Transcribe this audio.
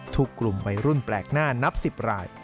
ถูกกลุ่มวัยรุ่นแปลกหน้านับ๑๐ราย